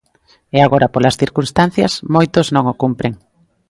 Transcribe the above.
E agora polas circunstancias, moitos non o cumpren.